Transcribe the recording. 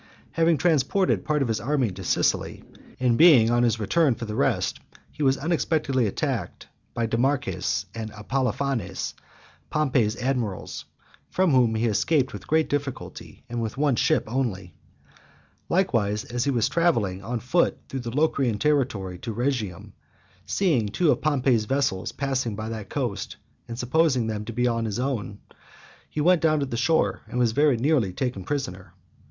Having transported part of his army to Sicily, and being on his return for the rest, he was unexpectedly attacked by Demochares and Apollophanes, Pompey's admirals, from whom he escaped with great difficulty, and with one ship only. Likewise, as he was travelling on foot through the Locrian territory to Rhegium, seeing two of Pompey's vessels passing by that coast, and supposing them to be his own, he went down to the shore, and was very nearly taken prisoner.